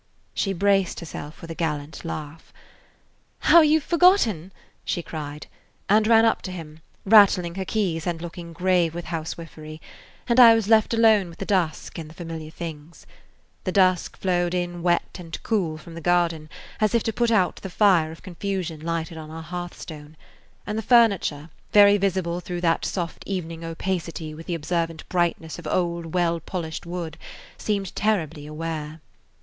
She braced herself with a gallant laugh. "How you 've forgotten!" she cried, and ran up to him, rattling her keys and looking grave with housewifery, and I was left alone with the dusk and the familiar things. The dusk flowed in wet and cool from the garden, as if to put out the fire [Page 48] of confusion lighted on our hearthstone, and the furniture, very visible through that soft evening opacity with the observant brightness of old, well polished wood, seemed terribly aware.